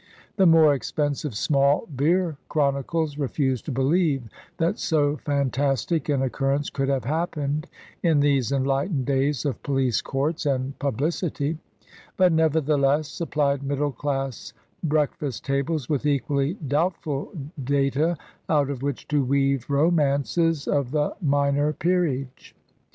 The more expensive small beer chronicles refused to believe that so fantastic an occurrence could have happened in these enlightened days of police courts and publicity; but, nevertheless, supplied middle class breakfast tables with equally doubtful data, out of which to weave romances of the minor peerage.